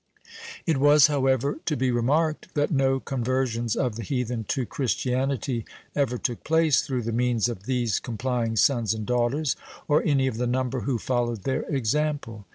It was, however, to be remarked, that no conversions of the heathen to Christianity ever took place through the means of these complying sons and daughters, or any of the number who followed their example.